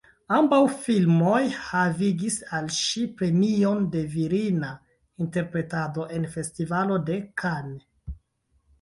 Ambaŭ filmoj havigis al ŝi premion de virina interpretado en Festivalo de Cannes.